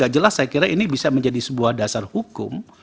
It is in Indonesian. jelas saya kira ini bisa menjadi sebuah dasar hukum